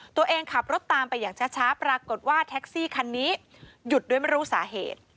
ตัวเองขับรถตามไปอย่างช้าปรากฏว่าแท็กซี่คันนี้หยุดด้วยไม่รู้สาเหตุ